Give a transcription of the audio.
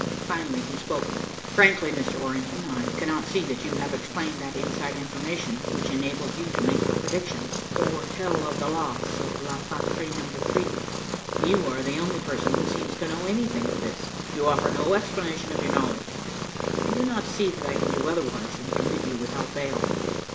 Finally he spoke. "Frankly, Mr. Orrington, I cannot see that you have explained that inside information which enabled you to make your predictions, or tell of the loss of the La Patrie Number 3. You are the only person who seems to know anything of this. You offer no explanation of your knowledge. I do not see that I can do otherwise than commit you without bail."